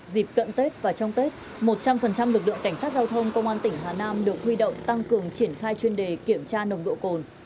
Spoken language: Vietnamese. dịp cận tết và trong tết một trăm linh lực lượng cảnh sát giao thông công an tỉnh hà nam được huy động tăng cường triển khai chuyên đề kiểm tra nồng độ cồn